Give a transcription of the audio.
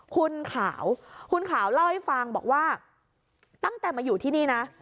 คุณขาวคุณขาวเล่าให้ฟังบอกว่าตั้งแต่มาอยู่ที่นี่นะ